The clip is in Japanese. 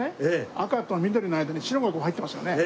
赤と緑の間に白が入ってますよね。